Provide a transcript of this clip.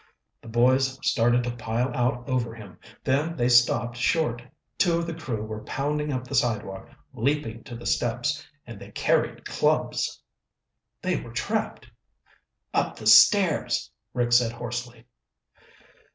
The boys started to pile out over him, then they stopped short. Two of the crew were pounding up the sidewalk, leaping to the steps, and they carried clubs! They were trapped! "Up the stairs," Rick said hoarsely.